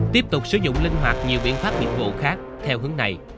tiếp tục sử dụng linh hoạt nhiều biện pháp nghiệp vụ khác theo hướng này